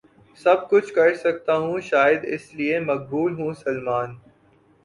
سب کچھ کرسکتا ہوں شاید اس لیے مقبول ہوں سلمان